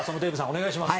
お願いします。